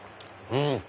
うん！